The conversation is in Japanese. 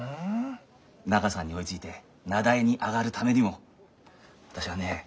中さんに追いついて名題に上がるためにもあたしゃね